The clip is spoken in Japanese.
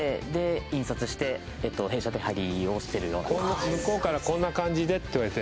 自分で向こうからこんな感じでって言われて？